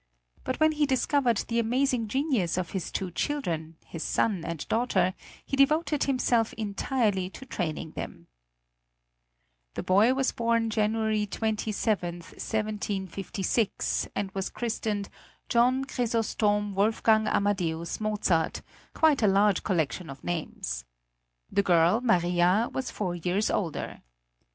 But when he discovered the amazing genius of his two children, his son and daughter, he devoted himself entirely to training them. The boy was born January 27, 1756, and was christened John Chrysostom Wolfgang Amadeus Mozart, quite a large collection of names. The girl, Maria, was four years older.